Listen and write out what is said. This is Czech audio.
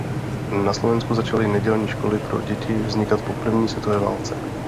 Na Slovensku začaly nedělní školy pro děti vznikat po první světové válce.